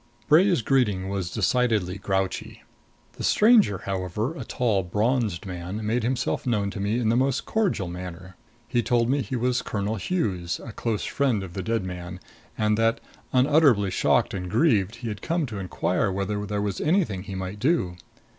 Bray's greeting was decidedly grouchy. The stranger, however a tall bronzed man made himself known to me in the most cordial manner. He told me he was Colonel Hughes, a close friend of the dead man; and that, unutterably shocked and grieved, he had come to inquire whether there was anything he might do.